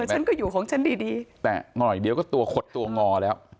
ฉันก็อยู่ของฉันดีดีแต่หน่อยเดียวก็ตัวขดตัวงอแล้ว